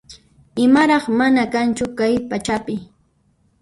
Imaraq mana kanchu kay pachapi